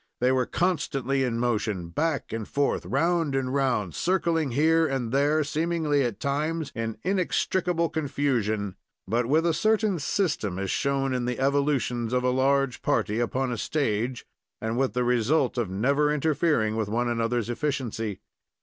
They were constantly in motion, back and forth, round and round, circling here and there, seemingly at times in inextricable confusion, but with a certain system, as shown in the evolutions of a large party upon a stage, and with the result of never interfering with one another's efficiency.